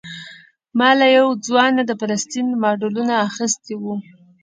ما له یو ځوان نه د فلسطین ماډلونه اخیستي وو.